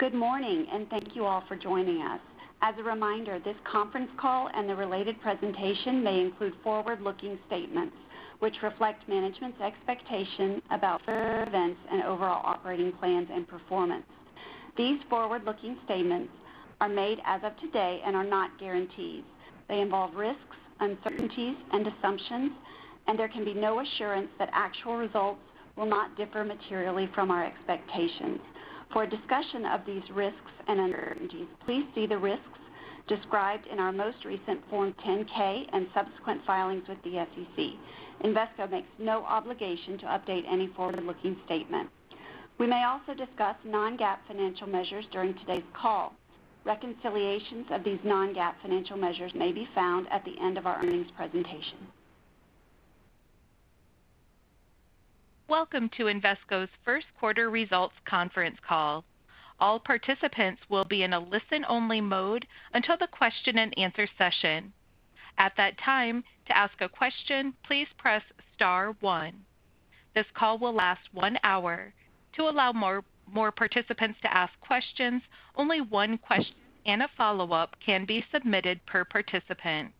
Good morning. Thank you all for joining us. As a reminder, this conference call and the related presentation may include forward-looking statements, which reflect management's expectation about events and overall operating plans and performance. These forward-looking statements are made as of today and are not guarantees. They involve risks, uncertainties, and assumptions, and there can be no assurance that actual results will not differ materially from our expectations. For a discussion of these risks and uncertainties, please see the risks described in our most recent Form 10-K and subsequent filings with the SEC. Invesco makes no obligation to update any forward-looking statement. We may also discuss non-GAAP financial measures during today's call. Reconciliations of these non-GAAP financial measures may be found at the end of our earnings presentation. Welcome to Invesco's Q1 results conference call. All participants will be in a listen-only mode until the question and answer session. At that time, to ask a question, please press star one. This call will last one hour. To allow more participants to ask questions, only one question and a follow-up can be submitted per participant.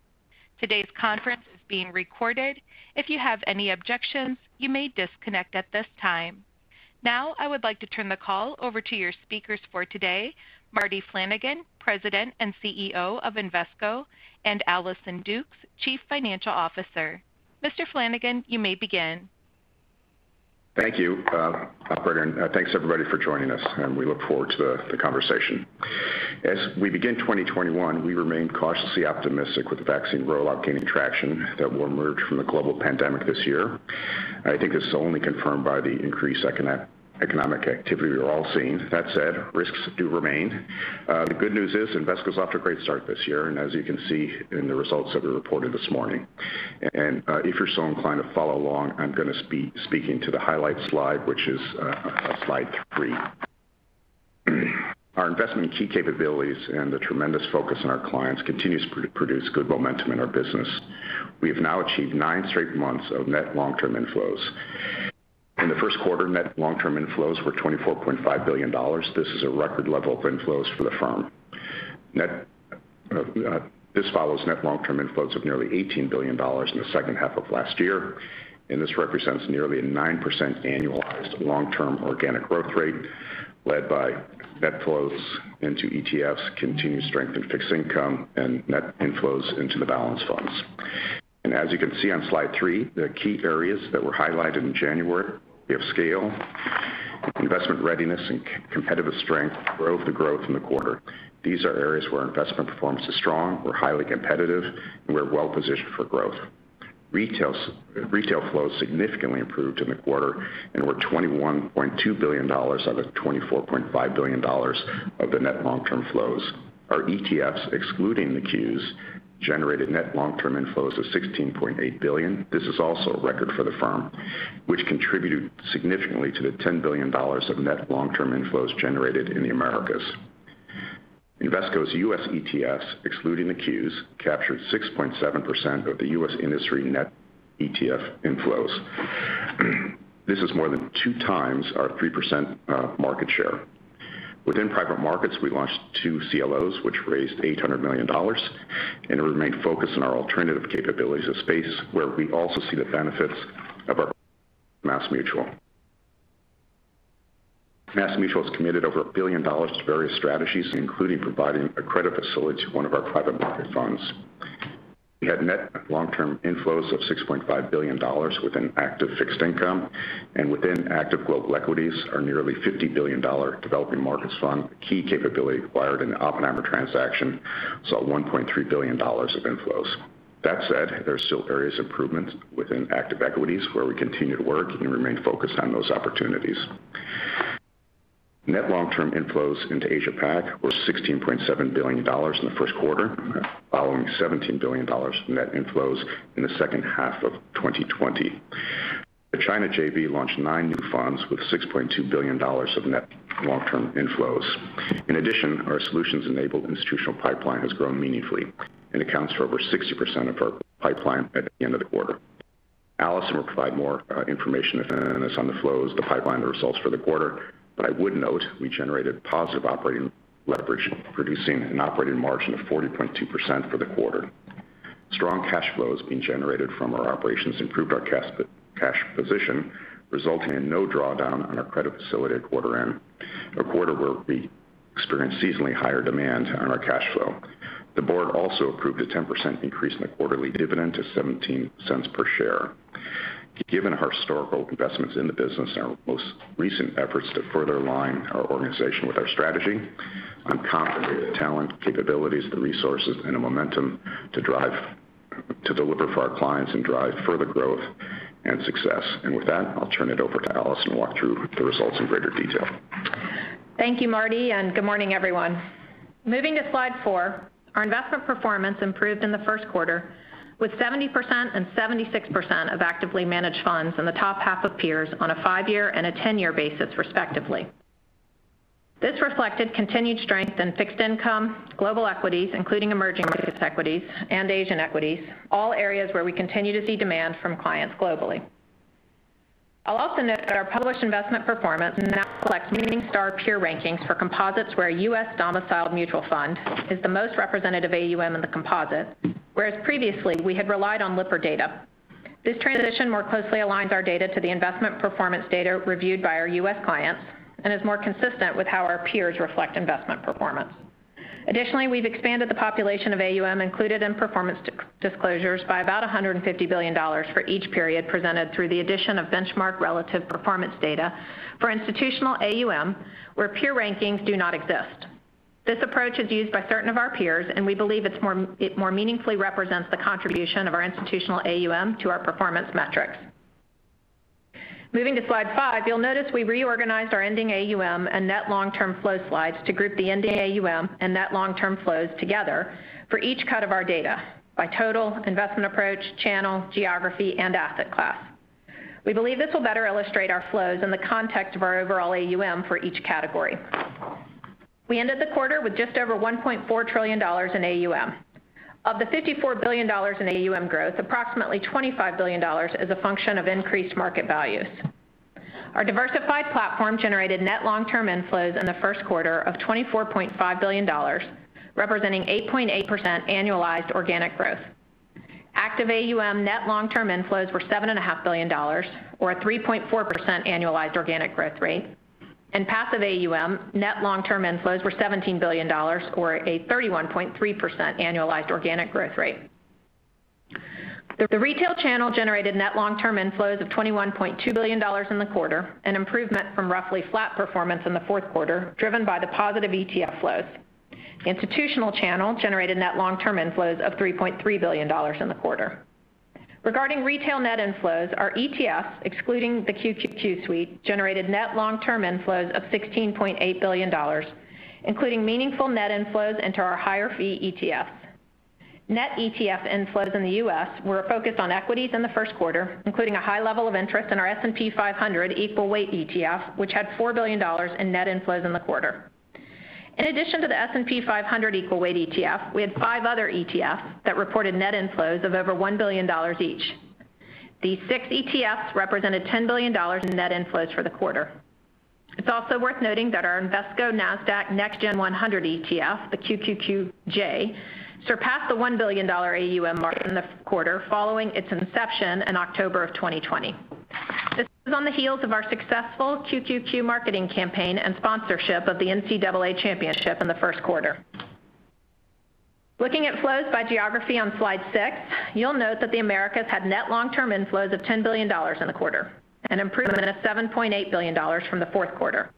Today's conference is being recorded. If you have any objections, you may disconnect at this time. Now, I would like to turn the call over to your speakers for today, Marty Flanagan, President and CEO of Invesco, and Allison Dukes, Chief Financial Officer. Mr. Flanagan, you may begin. Thank you, operator. Thanks, everybody, for joining us. We look forward to the conversation. As we begin 2021, we remain cautiously optimistic with the vaccine rollout gaining traction that we'll emerge from the global pandemic this year. I think this is only confirmed by the increased economic activity we're all seeing. That said, risks do remain. The good news is Invesco's off to a great start this year. As you can see in the results that we reported this morning. If you're so inclined to follow along, I'm going to be speaking to the highlights slide, which is slide three. Our investment in key capabilities and the tremendous focus on our clients continues to produce good momentum in our business. We have now achieved nine straight months of net long-term inflows. In the Q1, net long-term inflows were $24.5 billion. This is a record level of inflows for the firm. This follows net long-term inflows of nearly $18 billion in the H2 of last year, this represents nearly a 9% annualized long-term organic growth rate led by net flows into ETFs, continued strength in fixed income, and net inflows into the balanced funds. As you can see on slide three, the key areas that were highlighted in January of scale, investment readiness, and competitive strength drove the growth in the quarter. These are areas where our investment performance is strong. We're highly competitive, and we're well-positioned for growth. Retail flows significantly improved in the quarter and were $21.2 billion out of $24.5 billion of the net long-term flows. Our ETFs, excluding the Qs, generated net long-term inflows of $16.8 billion. This is also a record for the firm, which contributed significantly to the $10 billion of net long-term inflows generated in the Americas. Invesco's U.S. ETFs, excluding the Qs, captured 6.7% of the U.S. industry net ETF inflows. This is more than two times our 3% market share. Within private markets, we launched two CLOs, which raised $800 million, and we remain focused on our alternative capabilities of space, where we also see the benefits of our MassMutual. MassMutual's committed over $1 billion to various strategies, including providing a credit facility to one of our private market funds. We had net long-term inflows of $6.5 billion within active fixed income, and within active global equities, our nearly $50 billion Developing Markets Fund, a key capability acquired in the OppenheimerFunds transaction, saw $1.3 billion of inflows. That said, there are still various improvements within active equities, where we continue to work and remain focused on those opportunities. Net long-term inflows into Asia-Pac were $16.7 billion in the Q1, following $17 billion net inflows in the H2 of 2020. The China JV launched nine new funds with $6.2 billion of net long-term inflows. In addition, our solutions-enabled institutional pipeline has grown meaningfully and accounts for over 60% of our pipeline at the end of the quarter. Allison will provide more information on the flows, the pipeline, and the results for the quarter, but I would note we generated positive operating leverage, producing an operating margin of 40.2% for the quarter. Strong cash flow is being generated from our operations, improved our cash position, resulting in no drawdown on our credit facility at quarter end, a quarter where we experienced seasonally higher demand on our cash flow. The board also approved a 10% increase in the quarterly dividend to $0.17 per share. Given our historical investments in the business and our most recent efforts to further align our organization with our strategy on concentrated talent, capabilities, resources, and the momentum to deliver for our clients and drive further growth and success. With that, I'll turn it over to Allison to walk through the results in greater detail. Thank you, Marty. Good morning, everyone. Moving to slide four, our investment performance improved in the Q1 with 70% and 76% of actively managed funds in the top half of peers on a five-year and a 10-year basis, respectively. This reflected continued strength in fixed income, global equities, including emerging markets equities and Asian equities, all areas where we continue to see demand from clients globally. I'll also note that our published investment performance now reflects Morningstar peer rankings for composites where a U.S.-domiciled mutual fund is the most representative AUM in the composite, whereas previously, we had relied on Lipper data. This transition more closely aligns our data to the investment performance data reviewed by our U.S. clients and is more consistent with how our peers reflect investment performance. Additionally, we've expanded the population of AUM included in performance disclosures by about $150 billion for each period presented through the addition of benchmark relative performance data for institutional AUM where peer rankings do not exist. This approach is used by certain of our peers, and we believe it more meaningfully represents the contribution of our institutional AUM to our performance metrics. Moving to slide five, you'll notice we reorganized our ending AUM and net long-term flow slides to group the ending AUM and net long-term flows together for each cut of our data by total investment approach, channel, geography, and asset class. We believe this will better illustrate our flows in the context of our overall AUM for each category. We ended the quarter with just over $1.4 trillion in AUM. Of the $54 billion in AUM growth, approximately $25 billion is a function of increased market values. Our diversified platform generated net long-term inflows in the Q1 of $24.5 billion, representing 8.8% annualized organic growth. Active AUM net long-term inflows were $7.5 billion, or a 3.4% annualized organic growth rate. In passive AUM, net long-term inflows were $17 billion, or a 31.3% annualized organic growth rate. The retail channel generated net long-term inflows of $21.2 billion in the quarter, an improvement from roughly flat performance in the Q4, driven by the positive ETF flows. The institutional channel generated net long-term inflows of $3.3 billion in the quarter. Regarding retail net inflows, our ETFs, excluding the QQQ Suite, generated net long-term inflows of $16.8 billion, including meaningful net inflows into our higher-fee ETFs. Net ETF inflows in the U.S. were focused on equities in the Q1, including a high level of interest in our S&P 500 Equal Weight ETF, which had $4 billion in net inflows in the quarter. In addition to the S&P 500 Equal Weight ETF, we had five other ETFs that reported net inflows of over $1 billion each. These six ETFs represented $10 billion in net inflows for the quarter. It's also worth noting that our Invesco NASDAQ Next Gen 100 ETF, the QQQJ, surpassed the $1 billion AUM mark in the quarter following its inception in October of 2020. This is on the heels of our successful QQQ marketing campaign and sponsorship of the NCAA Championship in the Q1. Looking at flows by geography on slide six, you'll note that the Americas had net long-term inflows of $10 billion in the quarter, an improvement of $7.8 billion from the Q4.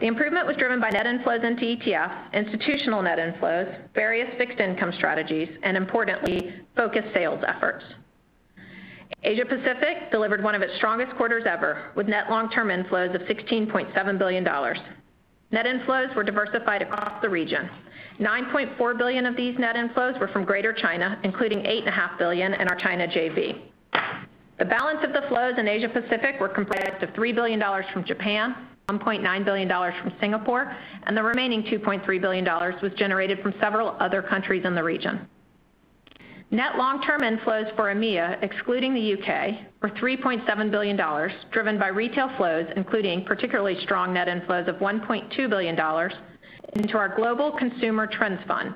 The improvement was driven by net inflows into ETFs, institutional net inflows, various fixed income strategies, and importantly, focused sales efforts. Asia Pacific delivered one of its strongest quarters ever, with net long-term inflows of $16.7 billion. Net inflows were diversified across the region. $9.4 billion of these net inflows were from Greater China, including $8.5 billion in our China JV. The balance of the flows in Asia Pacific were comprised of $3 billion from Japan, $1.9 billion from Singapore, and the remaining $2.3 billion was generated from several other countries in the region. Net long-term inflows for EMEA, excluding the U.K., were $3.7 billion, driven by retail flows, including particularly strong net inflows of $1.2 billion into our Global Consumer Trends Fund,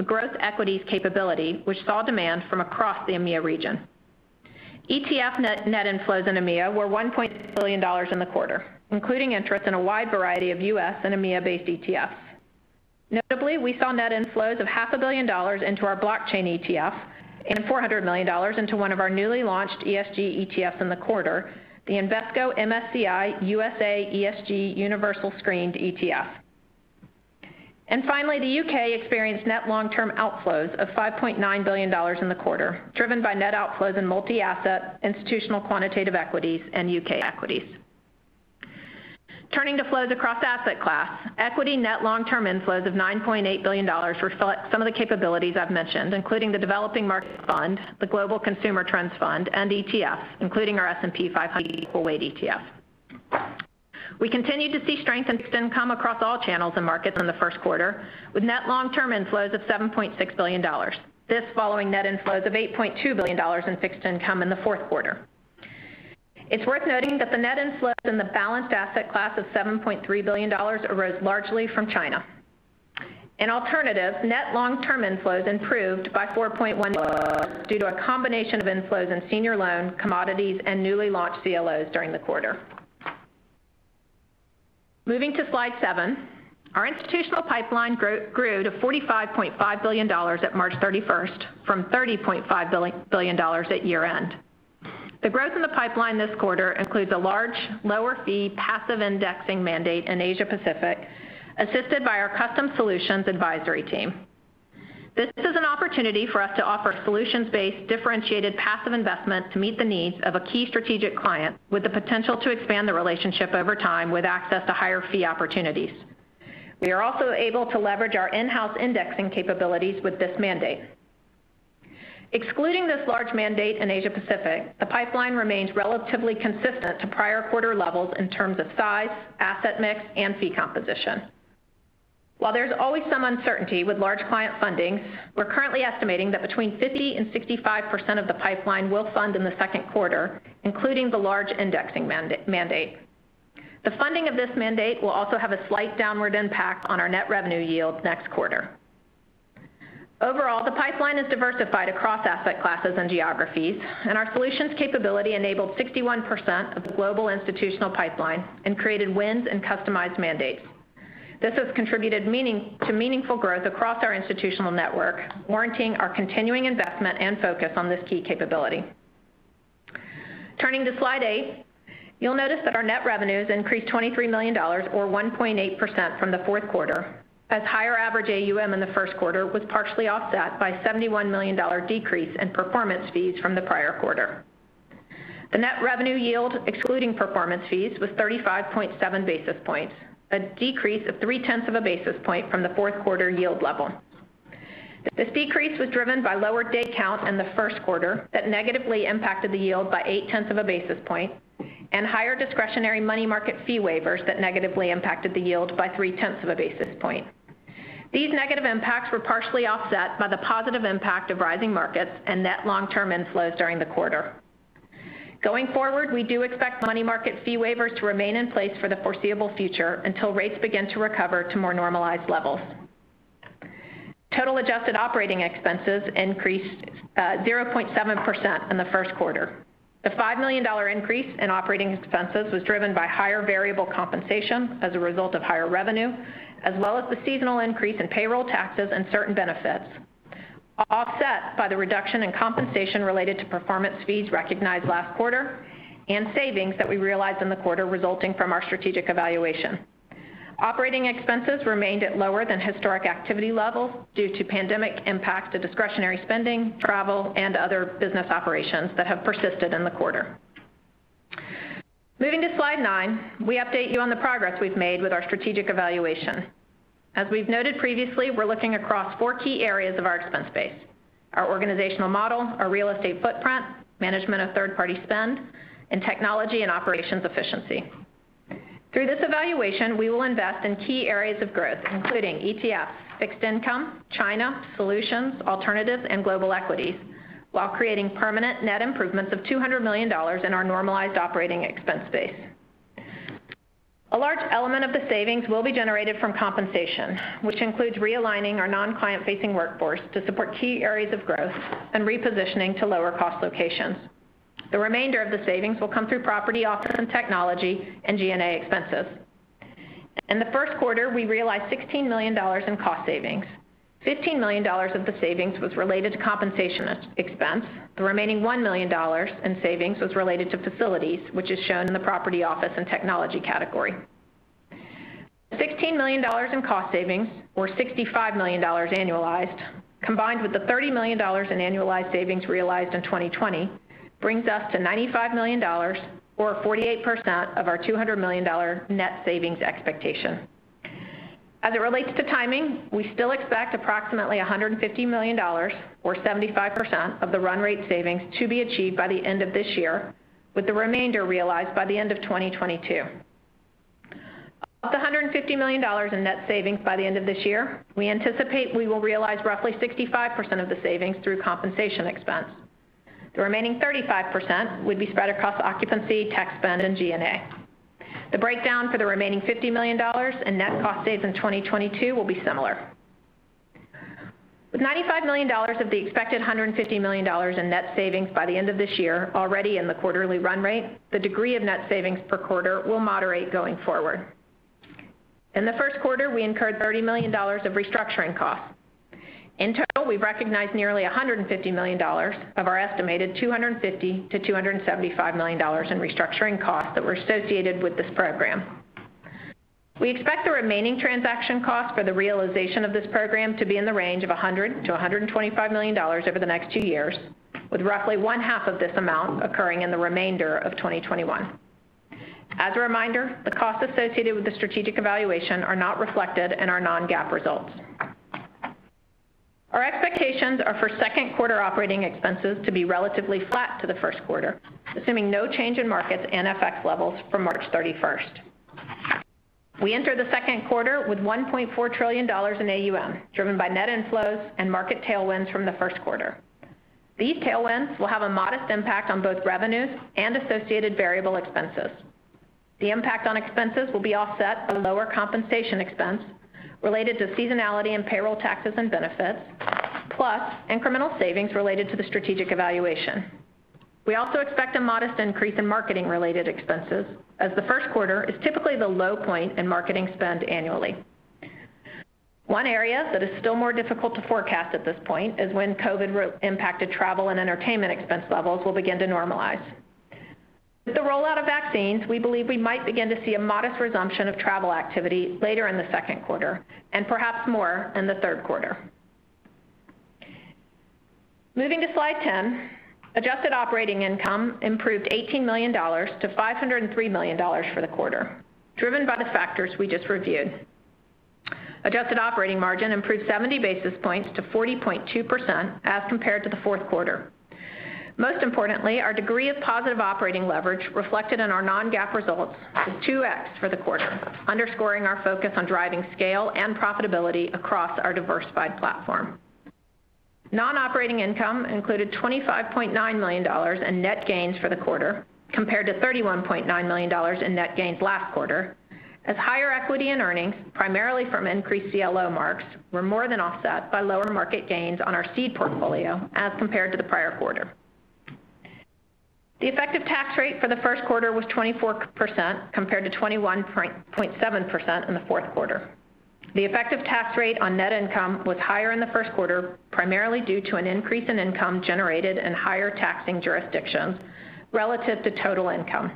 a growth equities capability which saw demand from across the EMEA region. ETF net inflows in EMEA were $1.6 billion in the quarter, including interest in a wide variety of U.S. and EMEA-based ETFs. Notably, we saw net inflows of half a billion dollars into our blockchain ETF and $400 million into one of our newly launched ESG ETFs in the quarter, the Invesco MSCI USA ESG Universal Screened ETF. Finally, the U.K. experienced net long-term outflows of $5.9 billion in the quarter, driven by net outflows in multi-asset, institutional quantitative equities, and U.K. equities. Turning to flows across asset class. Equity net long-term inflows of $9.8 billion reflect some of the capabilities I've mentioned, including the Developing Markets Fund, the Global Consumer Trends Fund, and ETFs, including our S&P 500 Equal Weight ETF. We continued to see strength in fixed income across all channels and markets in the Q1, with net long-term inflows of $7.6 billion. This following net inflows of $8.2 billion in fixed income in the Q4. It's worth noting that the net inflows in the balanced asset class of $7.3 billion arose largely from China. In alternatives, net long-term inflows improved by $4.1 due to a combination of inflows in senior loans, commodities, and newly launched CLOs during the quarter. Moving to slide seven. Our institutional pipeline grew to $45.5 billion at March 31st from $30.5 billion at year-end. The growth in the pipeline this quarter includes a large, lower-fee passive indexing mandate in Asia Pacific, assisted by our Custom Solutions advisory team. This is an opportunity for us to offer solutions-based, differentiated passive investment to meet the needs of a key strategic client with the potential to expand the relationship over time with access to higher-fee opportunities. We are also able to leverage our in-house indexing capabilities with this mandate. Excluding this large mandate in Asia Pacific, the pipeline remains relatively consistent to prior quarter levels in terms of size, asset mix, and fee composition. While there's always some uncertainty with large client funding, we're currently estimating that between 50% and 65% of the pipeline will fund in the Q2, including the large indexing mandate. The funding of this mandate will also have a slight downward impact on our net revenue yield next quarter. The pipeline is diversified across asset classes and geographies, and our solutions capability enabled 61% of the global institutional pipeline and created wins and customized mandates. This has contributed to meaningful growth across our institutional network, warranting our continuing investment and focus on this key capability. Turning to slide eight, you'll notice that our net revenues increased $23 million, or 1.8%, from the Q4, as higher average AUM in the Q1 was partially offset by a $71 million decrease in performance fees from the prior quarter. The net revenue yield, excluding performance fees, was 35.7 basis points, a decrease of three-tenths of a basis point from the Q4 yield level. This decrease was driven by lower day count in the Q1 that negatively impacted the yield by eight-tenths of a basis point, and higher discretionary money market fee waivers that negatively impacted the yield by three-tenths of a basis point. These negative impacts were partially offset by the positive impact of rising markets and net long-term inflows during the quarter. Going forward, we do expect money market fee waivers to remain in place for the foreseeable future until rates begin to recover to more normalized levels. Total adjusted operating expenses increased 0.7% in the Q1. The $5 million increase in operating expenses was driven by higher variable compensation as a result of higher revenue, as well as the seasonal increase in payroll taxes and certain benefits, offset by the reduction in compensation related to performance fees recognized last quarter and savings that we realized in the quarter resulting from our strategic evaluation. Operating expenses remained at lower than historic activity levels due to pandemic impacts to discretionary spending, travel, and other business operations that have persisted in the quarter. Moving to slide nine, we update you on the progress we've made with our strategic evaluation. As we've noted previously, we're looking across four key areas of our expense base. Our organizational model, our real estate footprint, management of third-party spend, and technology and operations efficiency. Through this evaluation, we will invest in key areas of growth, including ETFs, fixed income, China, solutions, alternatives, and global equities, while creating permanent net improvements of $200 million in our normalized operating expense base. A large element of the savings will be generated from compensation, which includes realigning our non-client-facing workforce to support key areas of growth and repositioning to lower-cost locations. The remainder of the savings will come through property office and technology and G&A expenses. In the Q1, we realized $16 million in cost savings. $15 million of the savings was related to compensation expense. The remaining $1 million in savings was related to facilities, which is shown in the property office and technology category. $16 million in cost savings, or $65 million annualized, combined with the $30 million in annualized savings realized in 2020 brings us to $95 million or 48% of our $200 million net savings expectation. As it relates to timing, we still expect approximately $150 million or 75% of the run rate savings to be achieved by the end of this year, with the remainder realized by the end of 2022. Of the $150 million in net savings by the end of this year, we anticipate we will realize roughly 65% of the savings through compensation expense. The remaining 35% would be spread across occupancy, tech spend, and G&A. The breakdown for the remaining $50 million in net cost saves in 2022 will be similar. With $95 million of the expected $150 million in net savings by the end of this year already in the quarterly run rate, the degree of net savings per quarter will moderate going forward. In the Q1, we incurred $30 million of restructuring costs. In total, we've recognized nearly $150 million of our estimated $250 million-$275 million in restructuring costs that were associated with this program. We expect the remaining transaction costs for the realization of this program to be in the range of $100 million-$125 million over the next two years, with roughly one-half of this amount occurring in the remainder of 2021. As a reminder, the costs associated with the strategic evaluation are not reflected in our non-GAAP results. Our expectations are for Q2 operating expenses to be relatively flat to the Q1, assuming no change in markets and FX levels from March 31st. We enter the Q2 with $1.4 trillion in AUM, driven by net inflows and market tailwinds from the Q1. These tailwinds will have a modest impact on both revenues and associated variable expenses. The impact on expenses will be offset by lower compensation expense related to seasonality in payroll taxes and benefits, plus incremental savings related to the strategic evaluation. We also expect a modest increase in marketing-related expenses as the Q1 is typically the low point in marketing spend annually. One area that is still more difficult to forecast at this point is when COVID-impacted travel and entertainment expense levels will begin to normalize. With the rollout of vaccines, we believe we might begin to see a modest resumption of travel activity later in the Q2, and perhaps more in the Q3. Moving to slide 10, adjusted operating income improved $18 million to $503 million for the quarter, driven by the factors we just reviewed. Adjusted operating margin improved 70 basis points to 40.2% as compared to the Q4. Most importantly, our degree of positive operating leverage reflected in our non-GAAP results was 2x for the quarter, underscoring our focus on driving scale and profitability across our diversified platform. Non-operating income included $25.9 million in net gains for the quarter, compared to $31.9 million in net gains last quarter, as higher equity in earnings, primarily from increased CLO marks, were more than offset by lower market gains on our seed portfolio as compared to the prior quarter. The effective tax rate for the Q1 was 24%, compared to 21.7% in the Q4. The effective tax rate on net income was higher in the Q1, primarily due to an increase in income generated and higher taxing jurisdictions relative to total income.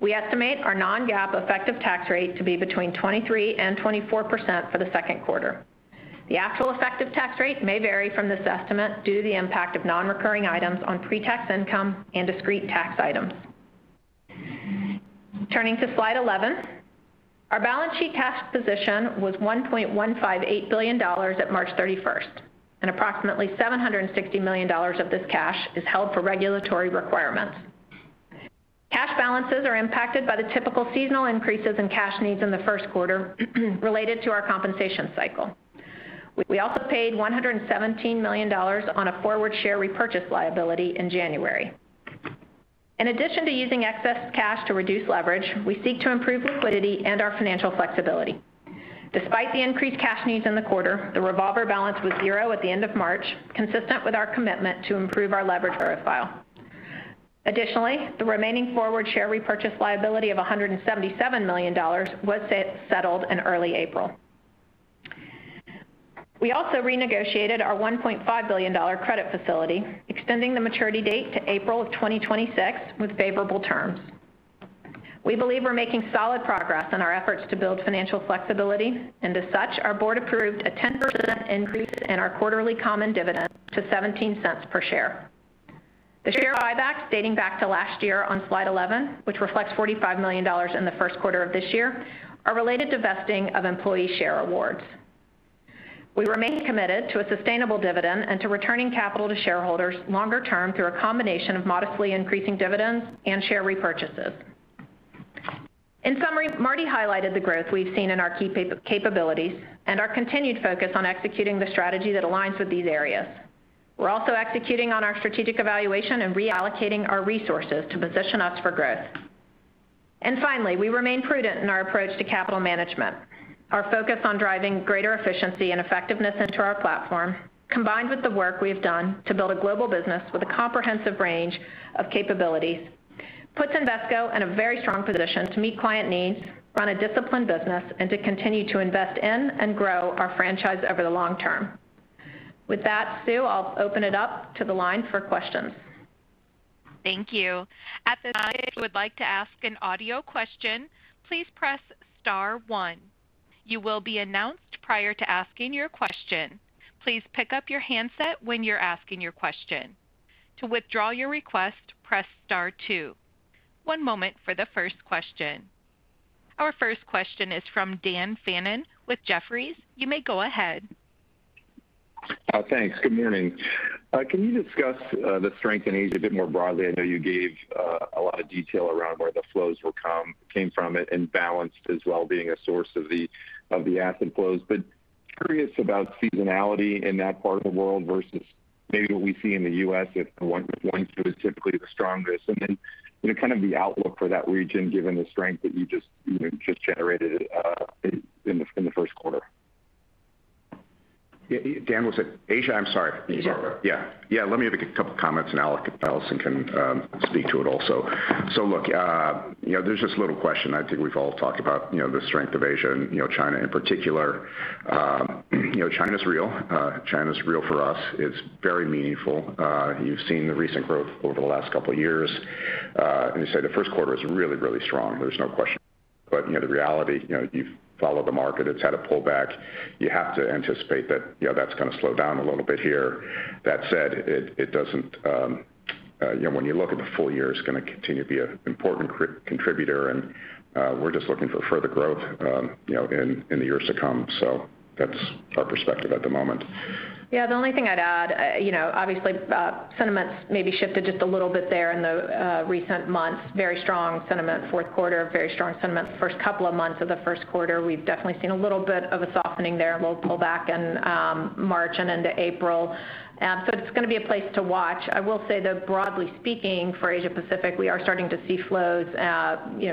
We estimate our non-GAAP effective tax rate to be between 23% and 24% for the Q2. The actual effective tax rate may vary from this estimate due to the impact of non-recurring items on pre-tax income and discrete tax items. Turning to slide 11. Our balance sheet cash position was $1.158 billion at March 31st. Approximately $760 million of this cash is held for regulatory requirements. Cash balances are impacted by the typical seasonal increases in cash needs in the Q1 related to our compensation cycle. We also paid $117 million on a forward share repurchase liability in January. In addition to using excess cash to reduce leverage, we seek to improve liquidity and our financial flexibility. Despite the increased cash needs in the quarter, the revolver balance was zero at the end of March, consistent with our commitment to improve our leverage profile. Additionally, the remaining forward share repurchase liability of $177 million was settled in early April. We also renegotiated our $1.5 billion credit facility, extending the maturity date to April of 2026 with favorable terms. We believe we're making solid progress on our efforts to build financial flexibility, as such, our board approved a 10% increase in our quarterly common dividend to $0.17 per share. The share buybacks dating back to last year on slide 11, which reflects $45 million in the Q1 of this year, are related to vesting of employee share awards. We remain committed to a sustainable dividend and to returning capital to shareholders longer term through a combination of modestly increasing dividends and share repurchases. In summary, Marty highlighted the growth we've seen in our key capabilities and our continued focus on executing the strategy that aligns with these areas. We're also executing on our strategic evaluation and reallocating our resources to position us for growth. Finally, we remain prudent in our approach to capital management. Our focus on driving greater efficiency and effectiveness into our platform, combined with the work we have done to build a global business with a comprehensive range of capabilities, puts Invesco in a very strong position to meet client needs, run a disciplined business, and to continue to invest in and grow our franchise over the long term. With that, Sue, I'll open it up to the line for questions. Our first question is from Dan Fannon with Jefferies. You may go ahead. Thanks. Good morning. Can you discuss the strength in Asia a bit more broadly? I know you gave a lot of detail around where the flows came from and balanced as well, being a source of the asset flows. Curious about seasonality in that part of the world versus maybe what we see in the U.S. if the points were typically the strongest. The outlook for that region, given the strength that you just generated in the Q1. Dan, was it Asia? I'm sorry. Asia. Let me make a couple comments and Allison can speak to it also. Look, there's this little question I think we've all talked about the strength of Asia and China in particular. China's real. China's real for us. It's very meaningful. You've seen the recent growth over the last couple of years. You say the Q1 is really strong. There's no question. The reality, you've followed the market. It's had a pullback. You have to anticipate that that's going to slow down a little bit here. That said, when you look at the full year, it's going to continue to be an important contributor and we're just looking for further growth in the years to come. That's our perspective at the moment. Yeah, the only thing I'd add, obviously sentiment's maybe shifted just a little bit there in the recent months, very strong sentiment Q4, very strong sentiment first couple of months of the Q1. We've definitely seen a little bit of a softening there, a little pullback in March and into April. It's going to be a place to watch. I will say, though, broadly speaking for Asia Pacific, we are starting to see flows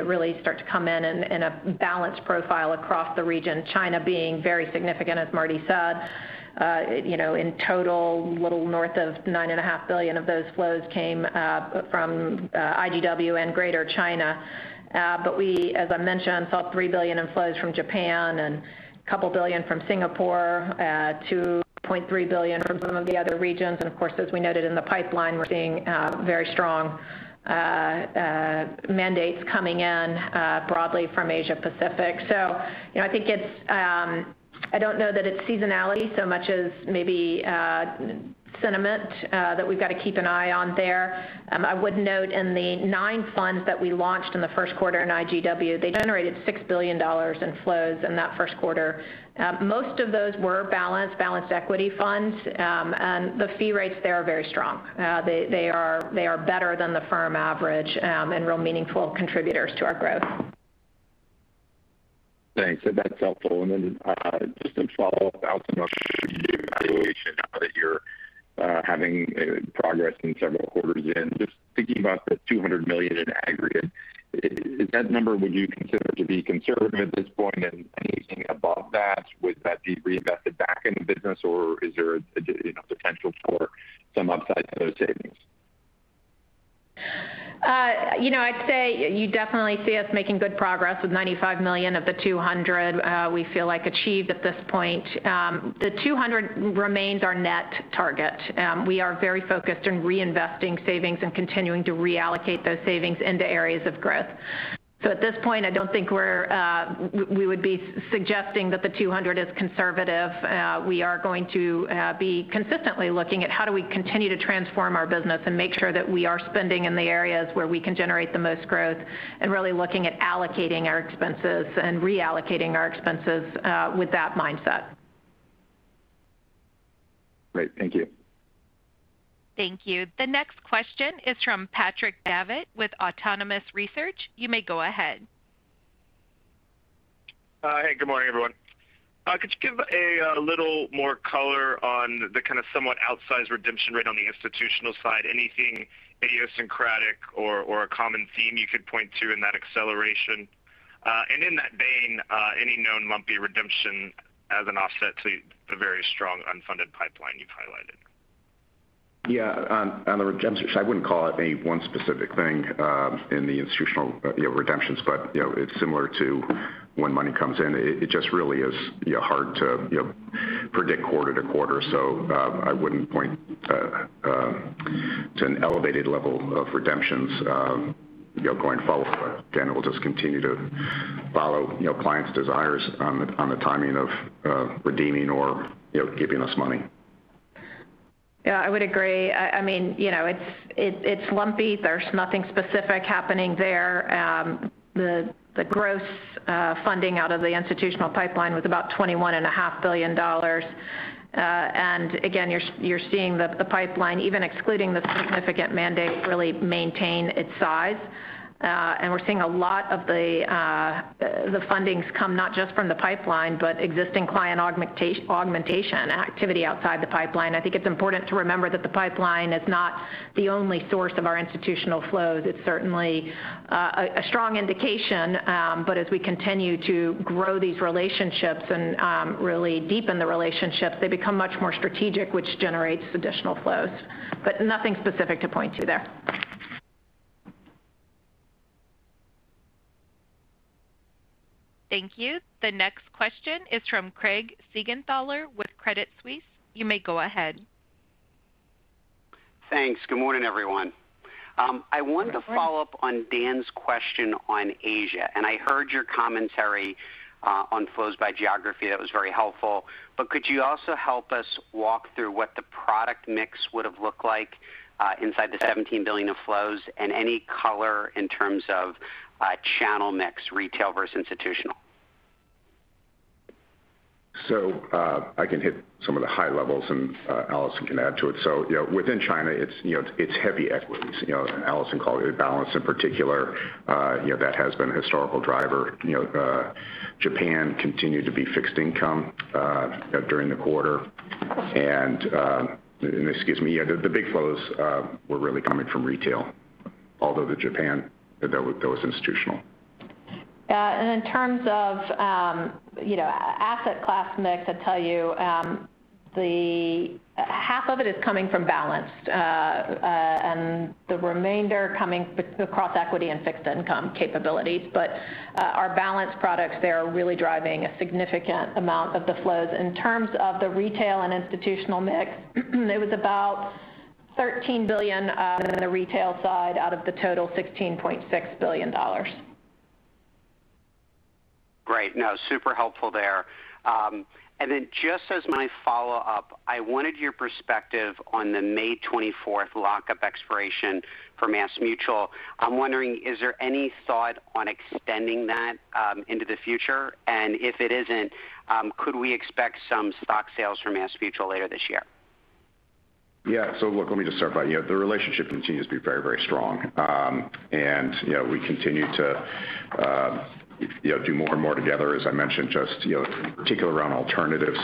really start to come in in a balanced profile across the region, China being very significant, as Marty said. In total, a little north of $9.5 billion of those flows came from IGW and Greater China. We, as I mentioned, saw $3 billion in flows from Japan and a couple billion from Singapore, $2.3 billion from some of the other regions. Of course, as we noted in the pipeline, we're seeing very strong mandates coming in broadly from Asia Pacific. I think I don't know that it's seasonality so much as maybe sentiment that we've got to keep an eye on there. I would note in the nine funds that we launched in the Q1 in IGW, they generated $6 billion in flows in that Q1. Most of those were balanced equity funds. The fee rates there are very strong. They are better than the firm average and real meaningful contributors to our growth. Thanks. That's helpful. Then just a follow-up. I want to know evaluation now that you're having progress in several quarters in. Just thinking about the $200 million in aggregate. That number, would you consider to be conservative at this point? Anything above that, would that be reinvested back in the business or is there potential for some upside to those savings? I'd say you definitely see us making good progress with $95 million of the $200 we feel like achieved at this point. The $200 remains our net target. We are very focused on reinvesting savings and continuing to reallocate those savings into areas of growth. At this point, I don't think we would be suggesting that the $200 is conservative. We are going to be consistently looking at how do we continue to transform our business and make sure that we are spending in the areas where we can generate the most growth, and really looking at allocating our expenses and reallocating our expenses with that mindset. Great. Thank you. Thank you. The next question is from Patrick Davitt with Autonomous Research. You may go ahead. Hey, good morning, everyone. Could you give a little more color on the kind of somewhat outsized redemption rate on the institutional side, anything idiosyncratic or a common theme you could point to in that acceleration? In that vein, any known lumpy redemption as an offset to the very strong unfunded pipeline you've highlighted? Yeah. On the redemptions, I wouldn't call it a one specific thing in the institutional redemptions. It's similar to when money comes in. It just really is hard to predict quarter to quarter. I wouldn't point to an elevated level of redemptions going forward. Again, it will just continue to follow clients' desires on the timing of redeeming or giving us money. Yeah, I would agree. It's lumpy. There's nothing specific happening there. The gross funding out of the institutional pipeline was about $21.5 billion. Again, you're seeing the pipeline, even excluding the significant mandate, really maintain its size. We're seeing a lot of the fundings come not just from the pipeline, but existing client augmentation activity outside the pipeline. I think it's important to remember that the pipeline is not the only source of our institutional flows. It's certainly a strong indication. As we continue to grow these relationships and really deepen the relationships, they become much more strategic, which generates additional flows. Nothing specific to point to there. Thank you. The next question is from Craig Siegenthaler with Credit Suisse. You may go ahead. Thanks. Good morning, everyone. I wanted to follow up on Dan's question on Asia. I heard your commentary on flows by geography. That was very helpful. Could you also help us walk through what the product mix would have looked like inside the $17 billion of flows and any color in terms of channel mix, retail versus institutional? I can hit some of the high levels and Allison can add to it. Within China, it's heavy equities. Allison called it balance in particular. That has been a historical driver. Japan continued to be fixed income during the quarter. Excuse me. The big flows were really coming from retail, although the Japan, that was institutional. Yeah. In terms of asset class mix, I'd tell you half of it is coming from balanced and the remainder coming across equity and fixed income capabilities. Our balanced products there are really driving a significant amount of the flows. In terms of the retail and institutional mix, it was about $13 billion in the retail side out of the total $16.6 billion. Great. No, super helpful there. Just as my follow-up, I wanted your perspective on the May 24th lock-up expiration for MassMutual. I'm wondering, is there any thought on extending that into the future? If it isn't, could we expect some stock sales from MassMutual later this year? Yeah. Look, let me just start by the relationship continues to be very strong. We continue to do more and more together, as I mentioned, just in particular around alternatives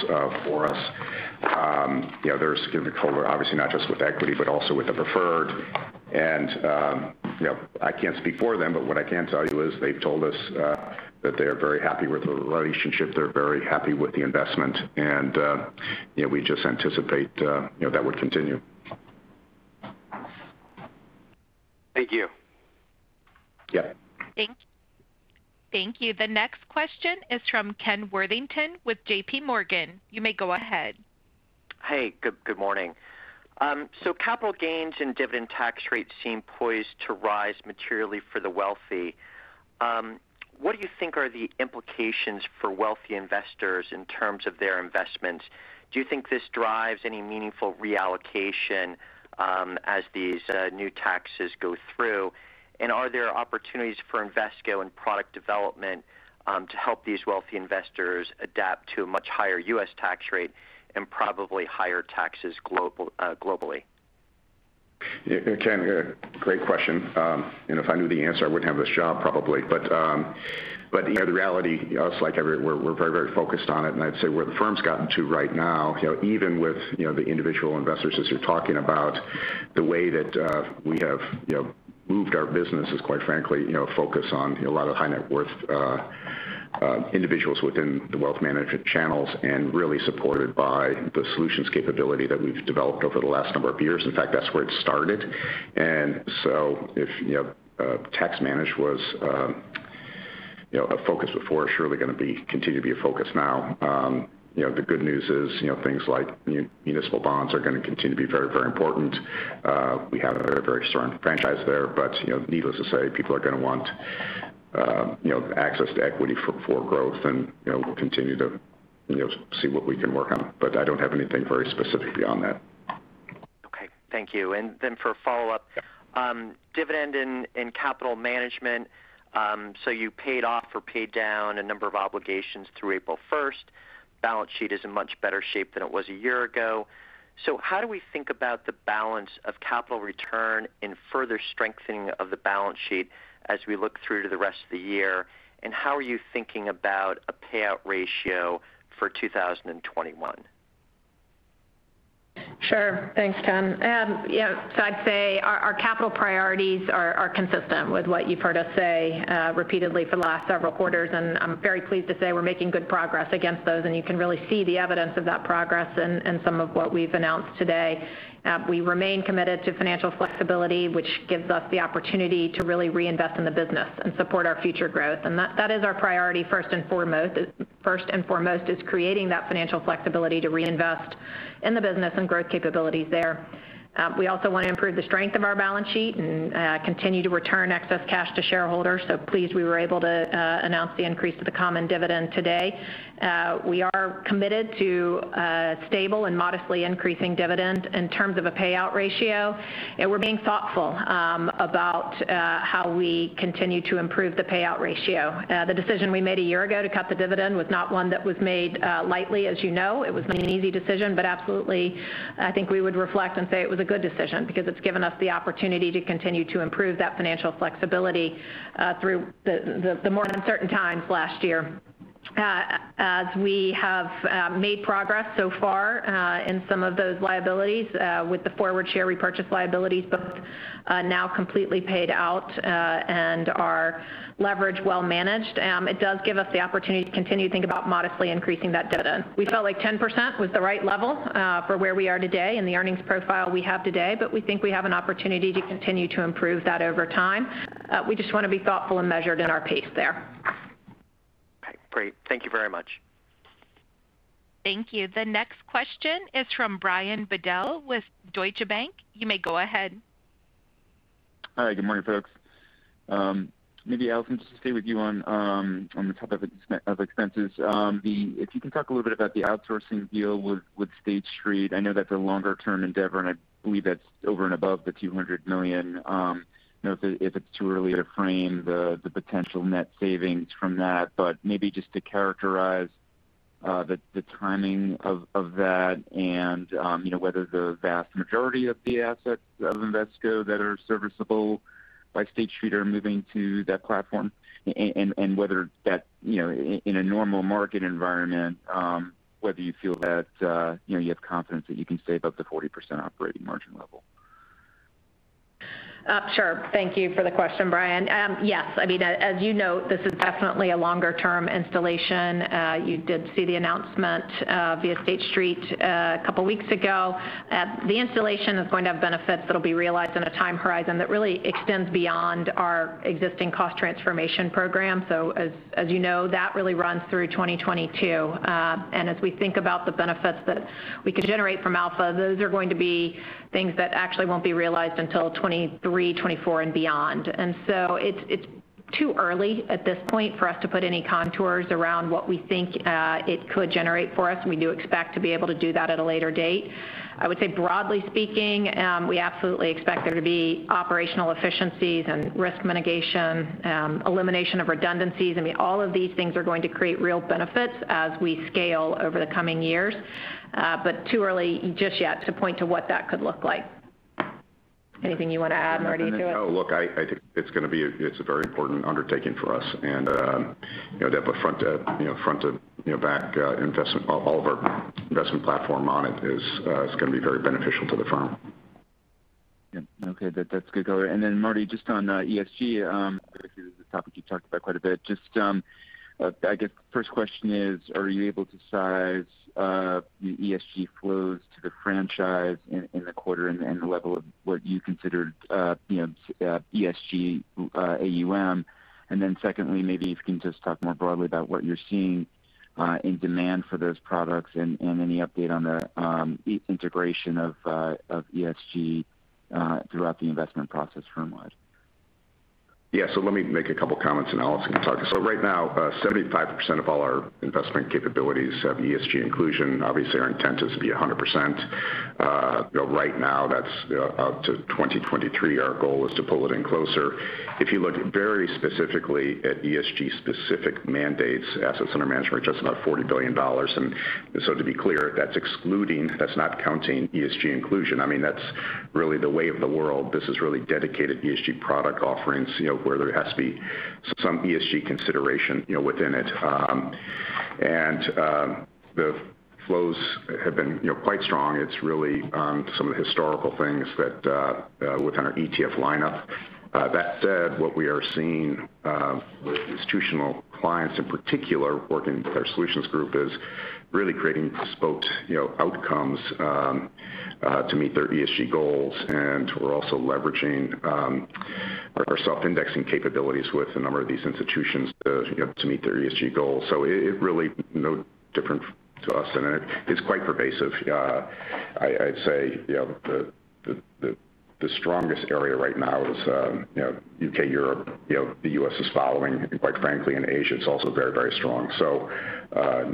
for us. There's significant overlap, obviously not just with equity, but also with the preferred. I can't speak for them, but what I can tell you is they've told us that they are very happy with the relationship. They're very happy with the investment. We just anticipate that would continue. Thank you. Yeah. Thank you. The next question is from Ken Worthington with J.P. Morgan. You may go ahead. Hey, good morning. Capital gains and dividend tax rates seem poised to rise materially for the wealthy. What do you think are the implications for wealthy investors in terms of their investments? Do you think this drives any meaningful reallocation as these new taxes go through? Are there opportunities for Invesco in product development to help these wealthy investors adapt to a much higher U.S. tax rate and probably higher taxes globally? Ken, great question. If I knew the answer, I wouldn't have this job, probably. The reality is, like everywhere, we're very focused on it, and I'd say where the firm's gotten to right now, even with the individual investors as you're talking about, the way that we have moved our business is, quite frankly, focused on a lot of high net worth individuals within the wealth management channels and really supported by the solutions capability that we've developed over the last number of years. In fact, that's where it started. If tax manage was a focus before, surely going to continue to be a focus now. The good news is things like municipal bonds are going to continue to be very important. We have a very strong franchise there, but needless to say, people are going to want access to equity for growth and we'll continue to see what we can work on. I don't have anything very specific beyond that. Okay. Thank you. For follow-up. Yeah. Dividend and capital management. You paid off or paid down a number of obligations through April 1st. Balance sheet is in much better shape than it was a year ago. How do we think about the balance of capital return in further strengthening of the balance sheet as we look through to the rest of the year? How are you thinking about a payout ratio for 2021? Sure. Thanks, Ken. I'd say our capital priorities are consistent with what you've heard us say repeatedly for the last several quarters, and I'm very pleased to say we're making good progress against those, and you can really see the evidence of that progress in some of what we've announced today. We remain committed to financial flexibility, which gives us the opportunity to really reinvest in the business and support our future growth. That is our priority first and foremost, is creating that financial flexibility to reinvest in the business and growth capabilities there. We also want to improve the strength of our balance sheet and continue to return excess cash to shareholders. Pleased we were able to announce the increase to the common dividend today. We are committed to a stable and modestly increasing dividend in terms of a payout ratio. We're being thoughtful about how we continue to improve the payout ratio. The decision we made a year ago to cut the dividend was not one that was made lightly, as you know. It was not an easy decision, but absolutely, I think we would reflect and say it was a good decision because it's given us the opportunity to continue to improve that financial flexibility through the more uncertain times last year. As we have made progress so far in some of those liabilities with the forward share repurchase liabilities both now completely paid out and our leverage well managed, it does give us the opportunity to continue to think about modestly increasing that dividend. We felt like 10% was the right level for where we are today and the earnings profile we have today. We think we have an opportunity to continue to improve that over time. We just want to be thoughtful and measured in our pace there. Okay, great. Thank you very much. Thank you. The next question is from Brian Bedell with Deutsche Bank. You may go ahead. Hi, good morning, folks. Maybe Allison, just to stay with you on the topic of expenses. You can talk a little bit about the outsourcing deal with State Street. I know that's a longer-term endeavor, and I believe that's over and above the $200 million. I know if it's too early to frame the potential net savings from that, but maybe just to characterize the timing of that and whether the vast majority of the assets of Invesco that are serviceable by State Street are moving to that platform and whether in a normal market environment you feel that you have confidence that you can save up to 40% operating margin level. Sure. Thank you for the question, Brian. Yes. As you know, this is definitely a longer-term installation. You did see the announcement via State Street a couple of weeks ago. The installation is going to have benefits that'll be realized in a time horizon that really extends beyond our existing cost transformation program. As you know, that really runs through 2022. As we think about the benefits that we could generate from Alpha, those are going to be things that actually won't be realized until 2023, 2024, and beyond. It's too early at this point for us to put any contours around what we think it could generate for us. We do expect to be able to do that at a later date. I would say broadly speaking, we absolutely expect there to be operational efficiencies and risk mitigation, elimination of redundancies. All of these things are going to create real benefits as we scale over the coming years. Too early just yet to point to what that could look like. Anything you want to add, Marty, to it? No, look, I think it's a very important undertaking for us. To have a front to back all of our investment platform on it is going to be very beneficial to the firm. Yeah. Okay. That's good color. Marty, just on ESG, this is a topic you've talked about quite a bit. Just I guess first question is, are you able to size the ESG flows to the franchise in the quarter and the level of what you considered ESG AUM? Secondly, maybe if you can just talk more broadly about what you're seeing In demand for those products and any update on the integration of ESG throughout the investment process firm-wide. Let me make a couple comments and Allisson can talk. Right now, 75% of all our investment capabilities have ESG inclusion. Obviously, our intent is to be 100%. Right now, that's out to 2023. Our goal is to pull it in closer. If you look very specifically at ESG specific mandates, assets under management are just about $40 billion. To be clear, that's excluding, that's not counting ESG inclusion. That's really the way of the world. This is really dedicated ESG product offerings, where there has to be some ESG consideration within it. The flows have been quite strong. It's really some of the historical things within our ETF lineup. That said, what we are seeing with institutional clients in particular, working with our solutions group, is really creating bespoke outcomes to meet their ESG goals. We're also leveraging our self-indexing capabilities with a number of these institutions to meet their ESG goals. It really no different to us. It is quite pervasive. I'd say the strongest area right now is U.K., Europe. The U.S. is following, and quite frankly, in Asia, it's also very strong.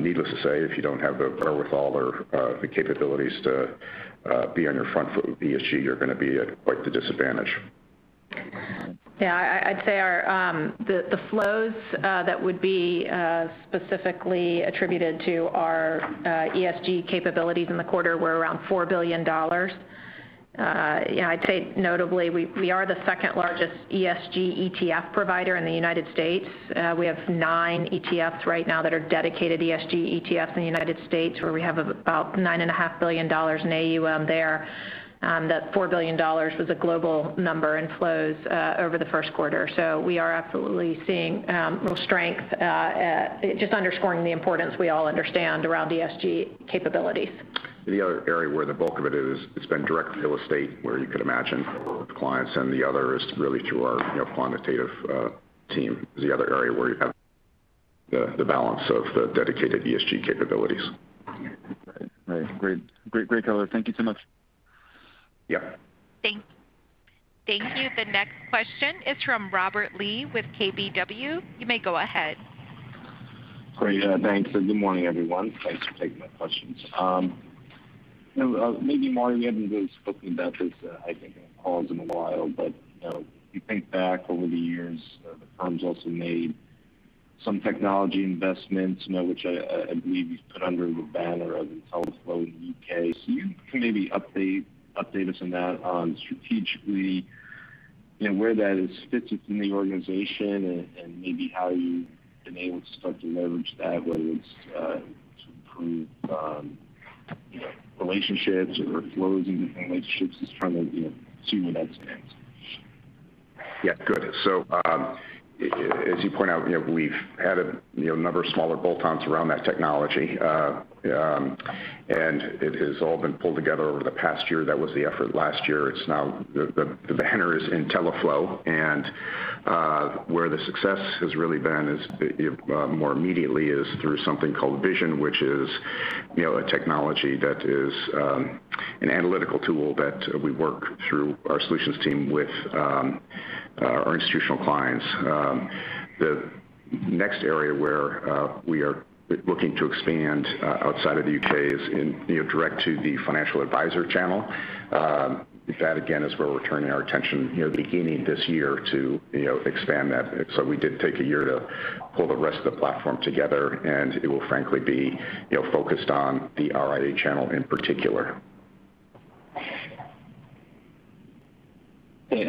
Needless to say, if you don't have the wherewithal or the capabilities to be on your front foot with ESG, you're going to be at quite the disadvantage. Yeah. I'd say the flows that would be specifically attributed to our ESG capabilities in the quarter were around $4 billion. I'd say notably, we are the second-largest ESG ETF provider in the United States. We have nine ETFs right now that are dedicated ESG ETFs in the United States, where we have about $9.5 billion in AUM there. That $4 billion was a global number in flows over the Q1. We are absolutely seeing real strength, just underscoring the importance we all understand around ESG capabilities. The other area where the bulk of it is, it's been direct real estate where you could imagine with clients, and the other is really through our quantitative team is the other area where you have the balance of the dedicated ESG capabilities. Right. Great color. Thank you so much. Yeah. Thank you. The next question is from Robert Lee with KBW. You may go ahead. Great. Thanks. Good morning, everyone. Thanks for taking my questions. Maybe, Marty, we haven't really spoken about this, I think, on calls in a while, but if you think back over the years, the firm's also made some technology investments now, which I believe you've put under the banner of intelliflo in the U.K. Can you maybe update us on that strategically and where that fits within the organization and maybe how you've been able to start to leverage that, whether it's to improve relationships or flows into relationships as trying to see where that stands. Yeah, good. As you point out, we've added a number of smaller bolt-ons around that technology. It has all been pulled together over the past year. That was the effort last year. It's now the banner is intelliflo, and where the success has really been is more immediately is through something called Vision, which is a technology that is an analytical tool that we work through our solutions team with our institutional clients. The next area where we are looking to expand outside of the U.K. is in direct to the financial advisor channel. That again, is where we're turning our attention beginning this year to expand that. We did take a year to pull the rest of the platform together, and it will frankly be focused on the RIA channel in particular. Okay.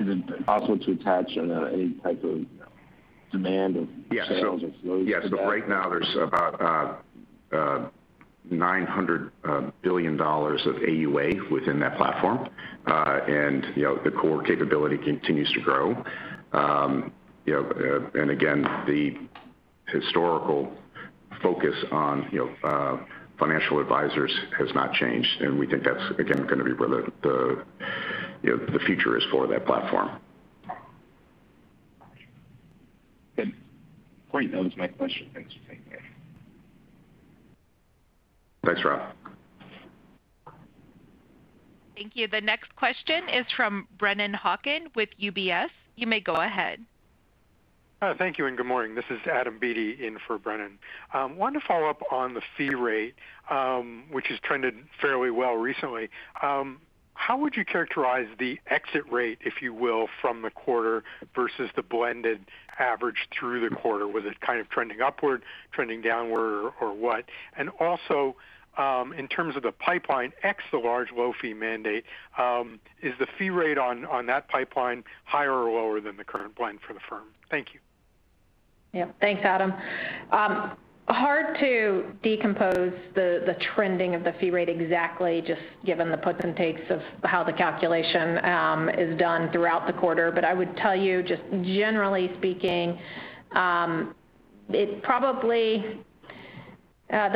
Is it possible to attach any type of demand? Yeah sales or flows for that? Right now there's about $900 billion of AUA within that platform. The core capability continues to grow. Again, the historical focus on financial advisors has not changed, and we think that's, again, going to be where the future is for that platform. Good. Great. That was my question. Thanks for taking it. Thanks, Rob. Thank you. The next question is from Brennan Hawken with UBS. You may go ahead. Thank you. Good morning. This is Adam Beatty in for Brennan. I wanted to follow up on the fee rate, which has trended fairly well recently. How would you characterize the exit rate, if you will, from the quarter versus the blended average through the quarter? Was it kind of trending upward, trending downward, or what? Also, in terms of the pipeline, ex the large low-fee mandate, is the fee rate on that pipeline higher or lower than the current blend for the firm? Thank you. Yeah. Thanks, Adam. Hard to decompose the trending of the fee rate exactly, just given the puts and takes of how the calculation is done throughout the quarter. I would tell you, just generally speaking, The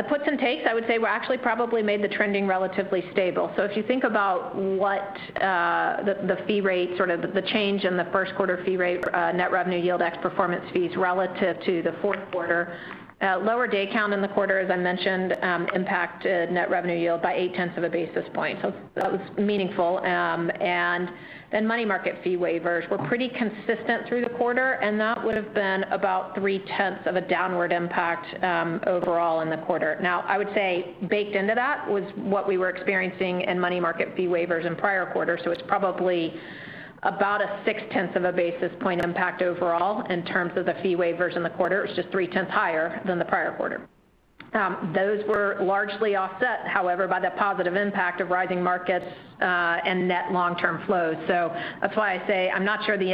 puts and takes, I would say, actually probably made the trending relatively stable. If you think about the change in the Q1 fee rate, net revenue yield ex-performance fees relative to the Q4, lower day count in the quarter, as I mentioned, impacted net revenue yield by 8/10 of a basis point. That was meaningful. Money market fee waivers were pretty consistent through the quarter, and that would've been about 3/10 of a downward impact overall in the quarter. Now, I would say baked into that was what we were experiencing in money market fee waivers in prior quarters. It's probably about a six-tenths of a basis point impact overall in terms of the fee waivers in the quarter. It's just three-tenths higher than the prior quarter. Those were largely offset, however, by the positive impact of rising markets and net long-term flows. That's why I say I'm not sure the